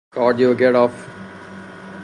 کاردیوگراف